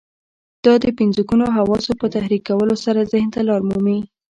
دا د پنځه ګونو حواسو په تحريکولو سره ذهن ته لار مومي.